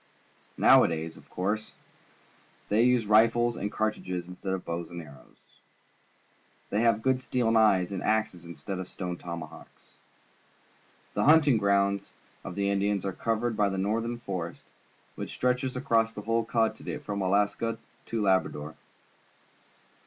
Nowadays, of cour.se, they use rifles and cartridges instead of bows and arrows. They have good steel knives and axes instead of stone tomahawks. The hunting grounds of the Indians are covered bv the northern forest, which MEN WHO LIVE BY HUNTING AND FISHING 13 stretches across the whole continent from Alaska to Labrador.